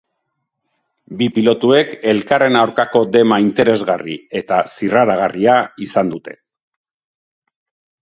Bi pilotuek elkarren aurkako dema interesgarri eta zirraragarria izan dute.